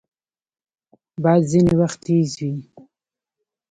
باد ځینې وخت تیز وي